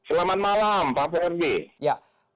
selamat malam pak pemirji